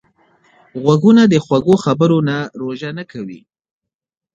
غوږونه د خوږو خبرو نه روژه نه کوي